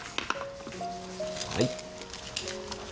はい。